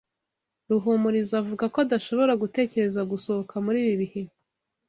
Ruhumuriza avuga ko adashobora gutekereza gusohoka muri ibi bihe.